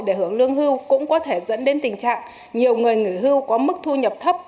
để hưởng lương hưu cũng có thể dẫn đến tình trạng nhiều người nghỉ hưu có mức thu nhập thấp